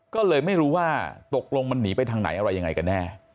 ก็เลยไม่รู้ว่าตกลงมันหนีไปทางไหนอะไรยังไงกันแน่